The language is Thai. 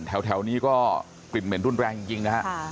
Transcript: แถวนี้ก็กลิ่นเหม็นรุนแรงจริงนะฮะ